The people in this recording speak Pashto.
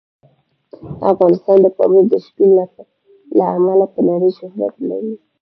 افغانستان د پامیر د شتون له امله په نړۍ شهرت لري.